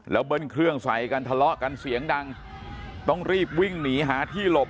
เบิ้ลเครื่องใส่กันทะเลาะกันเสียงดังต้องรีบวิ่งหนีหาที่หลบ